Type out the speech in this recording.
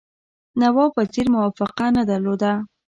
نواب وزیر موافقه نه درلوده.